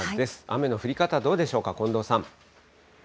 雨の降り方どうでしょうか、近藤さん。